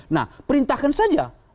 nah perintahkan saja